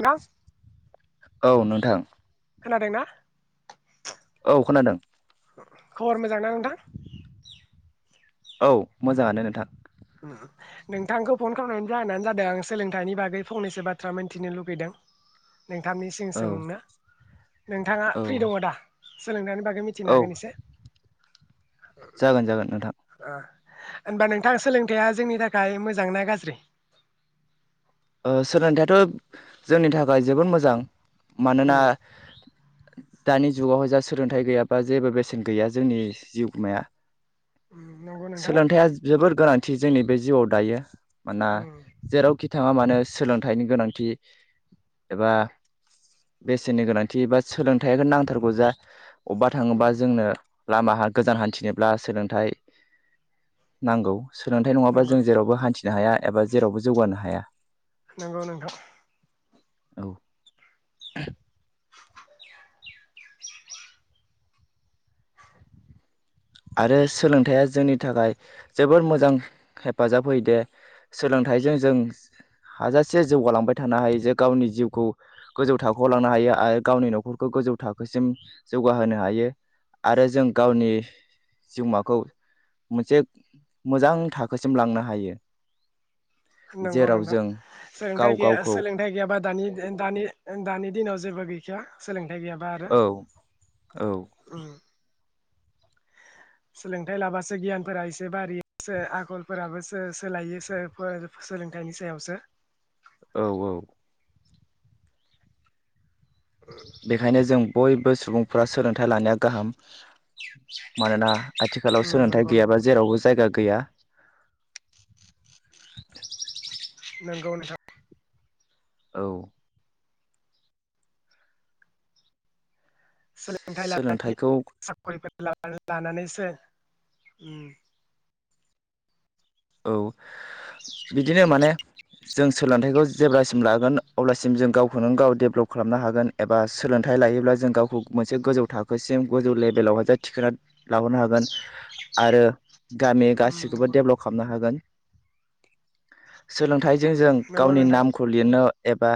नोंथां औ नोंथां। खोनादोंना? औ खोनादों। खबर मोजांना नोंथां? औ मोजाङानो नोंथां। नोंथांखौ फन खालामनायनि जाहोनानो जादों आं सोलोंथाइनि बागै फंनैसो बाथ्रा मोनथिनो लुगैदों। नोंथांनि सिम औ सोंनो। नोंथाङा औ फ्रि दङ दा? सोलोंथाइनि बागै औ मिथिनो हागोन एसे। जागोन जागोन नोंथां। ओ होनबा नोंथाङा सोलों थाइआ जोंनि थाखाय मोजां ना गाज्रि? ओ सोलोंथायाइथ' जोंनि थाखाय जोबोद मोजां। मानोना उम दानि जुगावहाय जा सोलोंथाइ गैयाबा जेबो बेसेन गैया जोंनि जिउमाया। उम नंगौ नोंथां सोलोंथाइया जोबोर गोनांथि जोंनि बे जिउआव दायो। मानोना उम जेरावखि थाङा मानो सोलोंथाइनि गोनांथि एबा बेसेननि गोनांथि एबा सोलोंथाइखौ नांथारगौ जा अबा उम थाङोबा जोंनो लामाहा गोजान हान्थिनोब्ला सोलोंथाइ नांगौ। सोलोंथाइ नङाबा नंगौ जों जेरावबो हान्थिनो हाया एबा जेरावबो जौगानो हाया। नोंगौ नोंथां। औ आरो सोलोंथाइया जोंनि थाखाय जोबोर मोजां हेफाजाब होयो दे सोलोंथाइजों जों हाजासे जौगालांबाय थानो हायो जे गावनि जिउखौ गोजौ थाखोआव लांनो हायो आरो गावनि न'खरखौ गोजौ थाखोसिम जौगाहोनो हायो आरो जों गावनि जिउमाखौ मोनसे मोजां थाखोसिम लांनो हायो। नोंगौ जेराव नोंथां जों सोलोंथाइ गाव गैया गावखौ सोलोंथाइ गैयाबा दानि दानि दानि दिनाव जेबो गै या सोलों थाइ गैयाबा आरो औ औ उम। सोलोंथाइ लाबासो गियानफोरा एसे बारियो आखलफोराबोसो सोलायोसो सोलोंथाइनि सायावसो। औ औ। बेखायनो जों बयबो सुबुंफ्रा सोलोंथाइ लानाया गाहाम। मानोना आथिखालाव सोलोंथाइ नंगौ नंगौ गैयाबा जेरावबो जायगा गैया। नोंगौ नोंथां। औ। सोलोंथाइ लानानै सोलोंथाइखौ साकरिफोर लानानैसो औ। बिदिनो माने जों सोलोंथाइखौ जेब्लासिम लागोन अब्लासिम जों गावखौनो गाव डेभेलप खालामनो हागोन एबा सोलोंथाइ लायोब्ला जों गावखौ मोनसे गोजौ थाखोसिम गोजौ लेभेलावहाय जे थिखोना लाबोनो हागोन आरो गामि गासिखौबो नंगौ नोंथां डेभेलप [unintelligible] सोलोंथाइजों जों नंगौ गावनि नोंथां नामखौ लिरनो एबा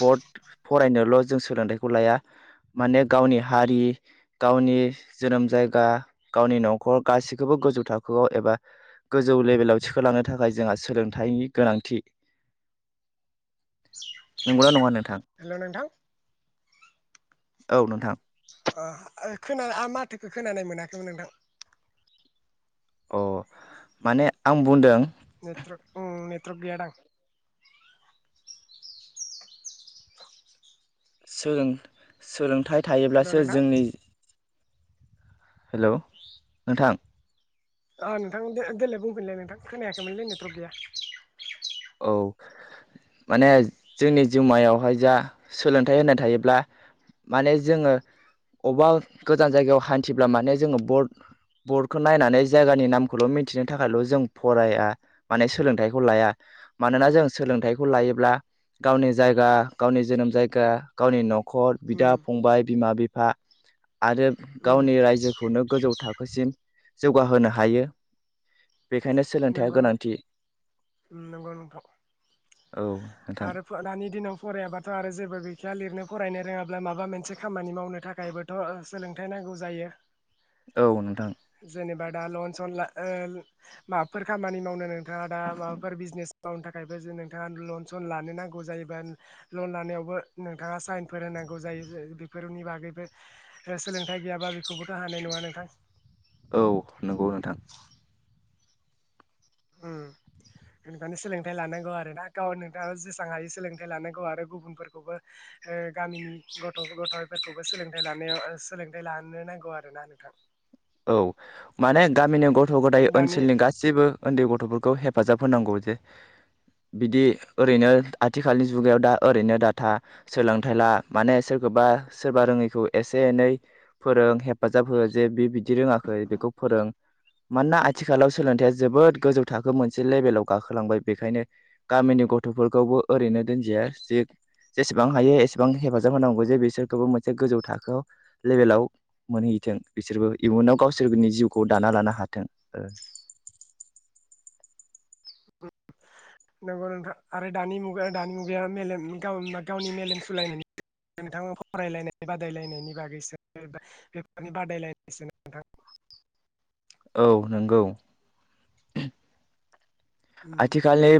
बत फरायनोल' जों सोलोंथाइखौ लाया माने गावनि हारि गावनि जोनोम जायगा गावनि न'खर गासिखौबो गोजौ थाखोआव एबा गोजौ लेभेलाव थिखोलांनो थाखाय जोंहा सोलोंथाइनि गोनांथि। नंगौना नङा नोंथां? हेल' नोंथां औ नोंथां। अ खोन आ माथोखौ खोनानाय मोनाखैमोन नोंथां। अ माने आं बुंदों। नेटवर्क ओम नेटवर्क गैया दां। सोलों सोलोंथाइ हेल' थायोब्लासो नोंथां जोंनि हेलौ नोंथां। ओ नोंथां दे देलाय बुंफिनलाय नोंथां खोनायाखैमोनलै नेटवार्क गैया। औ माने जोंनि जिउमायावहाय जा सोलोंथाइ होनाय थायोब्ला माने जोङो अबबा गोजान जायगायाव हान्थिब्ला माने जोङो बर्ड बर्डखौ नायनानै जायगानि नामखौल' मिन्थिनो थाखायल' जों फराया माने सोलोंथाइखौ लाया। मानोना जों सोलोंथाइखौ लायोब्ला गावनि जायगा गावनि जोनोम जायगा गावनि न'खर बिदा फंबाय बिमा बिफा आरो गावनि रायजोखौनो गोजौ थाखोसिम जौगाहोनो हायो। बेखायनो सोलोंथाइया नंगौ गोनांथि। नंगौ नोंथां औ नोंथां आरो फो दानि दिनाव फरायाबाथ' आरो जेबो गैखाया लिरनो फरायनो रोङाब्ला माबा मोनसे खामानि मावनो थाखायबोथ' सोलोंथाइ नांगौ जायो। औ नोंथां। बा दा लन सन ला ओ माबाफोर खामानि मावनो नोंथाङा दा माबाफोर बिजनेस मावनो थाखाय बो जे नोंथाङा लन सन लानो नांगौ जायोबा लन लानायावबो नोंथाङा साइनफोर होनांगौ जायो बेफोरनि बागैबो सोलोंथाइ गैयाबा बेखौबोथ' हानाय नङा नोंथां। औ नंगौ नोंथां। ओम बेनिखायनो सोलोंथाइ लानांगौ आरोना गाव नोंथाङा जेसां हायो सोलोंथाइ लानांगौ आरो गुबुनफोरखौबो ओ गामिनि गथ' गथ'फोरखौबो सोलोंथाइ लानायाव सोलोंथाइ लाहोनो नांगौ आरो ना नोंथां। औ माने गामिनि ग थ' गथाइ दानि ओनसोलनि गासैबो उन्दै गथ'फोरखौ हेफाजाब होनांगौ जे बिदि ओरैनो आथिखालनि जुगायाव दा ओरैनो डाथा सोलोंथाइ ला माने सोरखौबा सोरबा रोङैखौ एसे एनै फोरों हेफाजाब हो जे बि दि रोङाखै बेखौ फोरों मानोना आथिखालाव सोलोंथाइया जोबोद गोजौ थाखो मोनसे लेभेलाव गाखोलांबाय बेखायनो गामिनि गथ'फोरखौबो ओरैनो दोनजाया जे जेसेबां हायो एसेबां हेफाजाब होनांगौ जे बिसोरखौबो मोनसे गोजौ थाखोआव लेभेलाव मोनहैथों बिसोरबो इयुनाव गावसोरनि जिउखौ दाना लानो हाथों ओ नंगौ नोंथां आरो दानि मुगा दानि मुगाया मेलेम गावनि मेलेम सुलायनायनि नोंथाङा फरायलायनाय बादायलायनायनि बागैसो बेफोरनि बादायलायनायसो नोंथां औ नंगौ [inaudible] उम आथिखालनि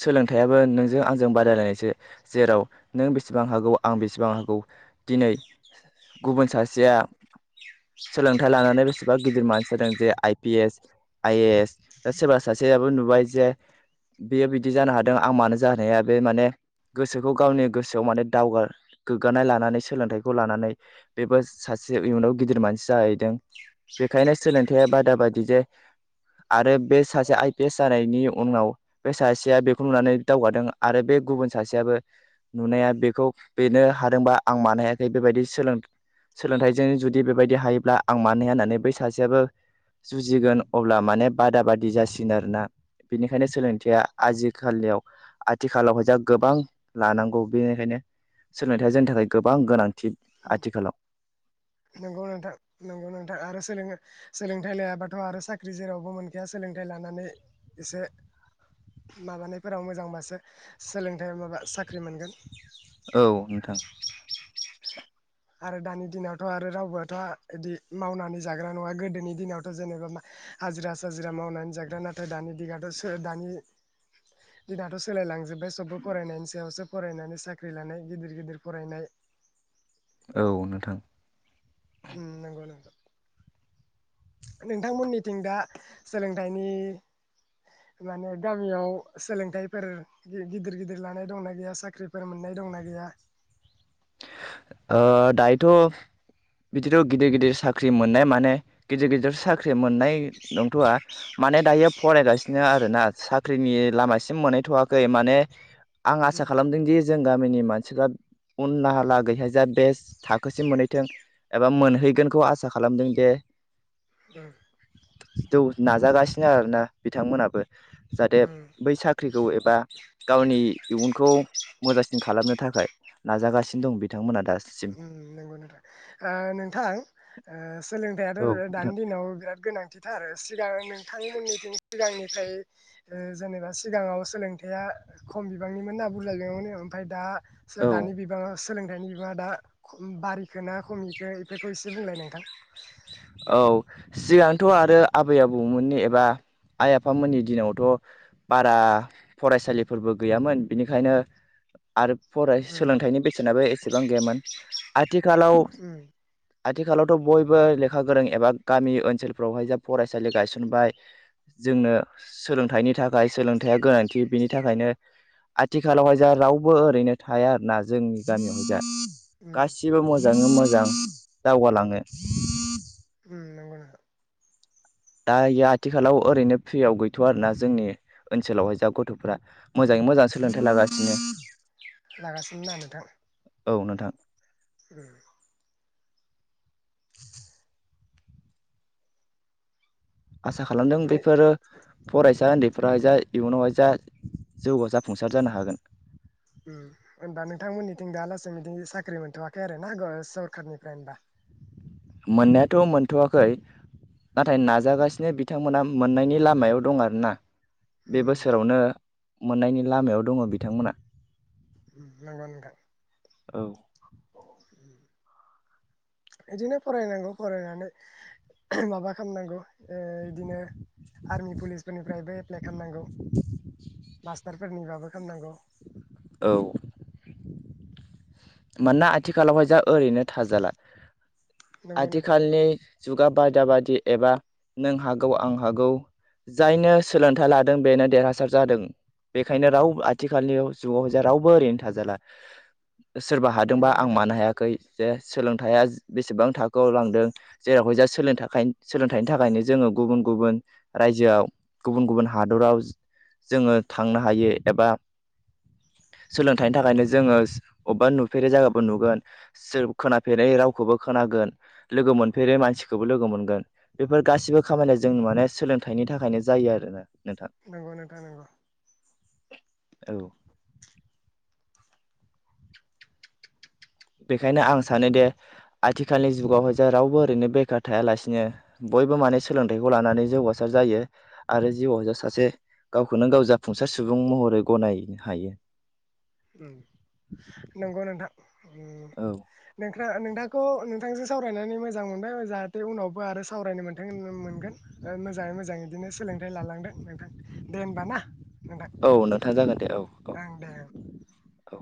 सोलोंथाइयाबो नोंजों आंजों बादायलायनायसो जेराव नों बेसेबां हागौ आं बेसेबां हागौ दिनै गुबुन सासेया सोलोंथाइ लानानै बेसेबा गिदिर मानसि जादों जे I P S I A S दा सोरबा सासे आबो नु जे बेयो बिदि जानो हादों आं मानो जानाय हाया बे माने गोसोखौ गावनि गोसोआव माने दावगा गोग्गानाय लानानै सोलोंथाइखौ लानानै बेबो सासे इयुनाव गिदिर मानसि जाहैदों बेखायनो सोलोंथाइया बादा बायदि जे आरो बे सासे आइ पि एस जानाय नि उनाव बे सासेया बेखौ नुनानै दावगादों आरो बे गुबुन सासेयाबो नुनाया बेखौ बेनो हादोंबा आं मानो हायाखै बेबायदि सोलों सोलोंथाइजों जुदि बेबायदि हायोब्ला आं मानि हाया होननानै बै सासेयाबो जुजिगोन अब्ला माने बादा बादि जासिगोन आरोना बेनिखायनो सोलोंथाइया आजिखालियाव आथिखालावहाय जा गोबां लानांगौ बेनिखायनो सोलोंथाइया जोंनि थाखाय गोबां गोनांथि आथिखालाव नोंगौ नोंथां नोंगौ नोंथां आरो सोलों सोलोंथाइ लायाबाथ' आरो साख्रि जेरावबो मोनखाया सोलोंथाइ लानानै एसे माबानायफोराव मोजांबासो सोलोंथाइ माबा साख्रि मोनगोन औ नोंथां आरो दानि दिनावथ' आरो रावबोआथ' बिदि मावनानै जाग्रा नङा गोदोनि दिनावथ' जेनेबा हाजिरा साजिरा मावनानै जाग्रा नाथाय दानि दिनाथ' दानि दिनाथ' सोलायलांजोब्बाय सबबो फरायनायनि सायावसो फरायनानै साख्रि लानाय गिदिर गिदिर फरायनाय औ नोंथां ओम नांगौ नोंथां नोंथांमोननिथिं दा सोलोंथाइनि माने गामियाव सोलोंथाइफोर गिदिर गिदिर लानाय दंना गैया साख्रिफोर मोननाय दंना गैया ओ दायोथ' बिदिथ' गिदिर गिदिर साख्रि मोननाय माने गिदिर गिदिर सा ख्रि मोननाय नंथ'वआ माने दायो फरायगासिनो आरोना साख्रिनि लामासिम मोनहैथवाखै माने आं उम आसा खालामदों दिे जों गामिनि मानसिफ्रा उनलाहागैहाय जा बेस थाखोसिम मोनहैथों, एबा मोनहैगोनखौ आसा खालामदों, जे उम जौ नाजागासिनो आरोना बिथांमोनाबो। जाहाथे उम बै साख्रिखौ एबा गावनि इयुनखौ मोजांसिन खालामनो थाखाय नाजागासिनो दं बिथांमोना दा उम, नंगौ नोंथां ओ नोंथां सोलोंथायाथ औ ओ दानि दिनाव बिराद गोनां बिदिनोआरो सिगां नोंथांमोनिथिं सिगांनिफ्राय जेनेबा, सिगाङाव सोलोंथाइया खम बिबांनिमोन ना बुरजा बिबांमोन, ओमफ्राय दा औ दानि बिबांङा सोलोंथाइनि बिबांङा दा बारिखौ ना खमिखौ बेफोरखौ एसे बुंलाय नोंथां। औ सिगांथ आरो आबै आबौमोननि एबा आइ- आफामोननि दिनावथ बारा फरायसालिफोरबो गैयामोन बिनिखायनो आरो फराय उम सोलोंथाइनि बेसेनाबो एसेबां गैयामोन आथिखालाव उम आथिखालावथ' बयबो लेखा खा गोरों एबा गामि ओनसोलफ्रावहाय जा फरायसालि गायसनबाय, जोंनो सोलोंथाइनि थाखाय सोलोंथायाइया गोनांथि बिनि थाखायनो आथिखालावहाय जा रावबो ओरैनो थाया आरोना, जोंनि गामियावहाय दा। उम गासिबो नंगौ मोजाङै नोंथां मोजां। दावगालाङो। उम नंगौ नोंथां दा यो आथिखालाव ओरैनो फ्रियाव गैथ'वा आरोना जोंनि ओनसोलावहाय जा गथ'फ्रार मोजाङै मोजां उम सोलोंथाइ लागासिनो। लागासिनो ना नोंथां औ नोंथां। उम। [inaudible] आसा खालामदों, ए बेफोरो फरायसा उन्दै फ्रा जा इयुनावहाय जा जौगा जाफुंसार जानो हागो। उम, होनबा नोंथांमोनिथिं दा लासै बिदि साख्रि मोनथ'वाखै आरो ना सरखारनिफ्राय होनबा। मोनायाथ' मोनथ'वाखै नाथाय नाजागासिनो, बिथांमोहा मोननायनि लामायाव दं आरोना। बे उम बोसोरावनो। मोननायनि लामायाव दङ बिथांमोना। नंगौ नोंथां। औ। बिदिनो फरायनांगौ फरायनानै माबा खालामनांगौ। ओ इदिनो आर्मि पुलिसफोरनिफ्रायबो। एफ्लाय खालामनांगौ मास्टारफोरनिबाबो खालामनांगौ। औ। मानोना आथिखालावहाय जा ओरैनो थाजाला नंगौ नोंथां आथिखालनि। जुगा बादा बादि एबा नों हागौ आं हागौ, जायनो सोलोंथाइ लादों बेनो देरहासार जादों बेखायनो रावो आथिखालनि जुगाव रावबो ओरैनो थाजाला। सोरबा हादोंबा नंगौ आं नोंथां मानो हायाखै। जे सोलोंथाइया बेसेबां थाखोआव लांदों जेरावहायजा सोलोंनो थाखाय सोलोंथाइनि थाखायनो जोङो गुबुन। गुबुन रायजोआव गुबुन-गुबुन हादराव जोङो थांनो हायो एबा सोलोंथाइनि थाखायनो जोङो। अबेबा नुफेरै जायगो नुगोन सोर खोनाफेरै रावखौबो खोनागोन लोगो मोनफेरै मानसिखौबो लोगो मोनगोन बेफोर गासिबो खामानिया जोंनि माने सोलोंथाइनि थाखायनो जायो आरोना। नोंथां नंगौ नोंथां नंगौ। औ। बेखायनो आं सानोदे आथिखालनि जुगावहाय जे रावबो ओरैनो बेखार थायालासिनो बयबो माने सोलोंथाइखौ लानानै जौगासार जायो आरो जिउआ सासे गावखौनो गाव जाफुंसार सुबुं महरै गनायनो हायो। उम नोंगौ नोंथां। उम औ नों नोंथांखौ नोंथांजों सावरायनानै मोजां मोनबाय जाहाथे उनावबो आरो सावरायनो मोथों मोनगोन मोजाङै मोजां। बिदिनो सोलोंथाइ लालांथों नोंथां दे होमबा ना। नोंथां औ नोंथा जागोन दे औ। औ ओं दे औ। औ।